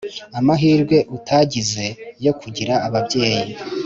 amahirwe utagize yo kugira ababyeyi